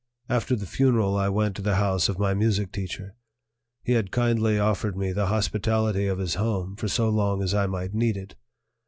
After the funeral I went to the house of my music teacher; he had kindly offered me the hospitality of his home for so long as I might need it.